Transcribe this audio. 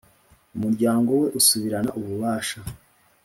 umuryango we usubirana ububasha.